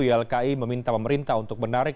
ylki meminta pemerintah untuk menarik